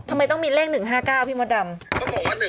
ทำไมต้องมีเลข๑๕๙พี่มดดำ